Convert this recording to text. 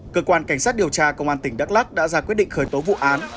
cơ quan cảnh sát điều tra công an tỉnh đắk lắc đã ra quyết định khởi tố vụ án